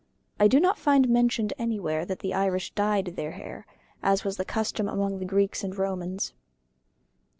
I do not find mentioned anywhere that the Irish dyed their hair, as was the custom among the Greeks and Romans.